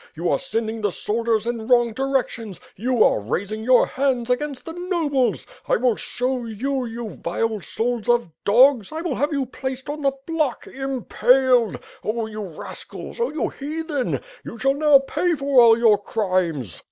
You are send ing the soldiers in wrong directions! You are raising your hands against the nobles! I wil show you, you vile souls of dogs, I will have you placed on the block, impaled, oh, you rascals, oh, you heathen, you shall now pay for all your crimes!"